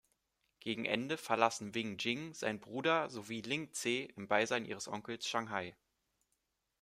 Gegen Ende verlassen Wing Jing, sein Bruder sowie Ling-Tze im Beisein ihres Onkels Shanghai.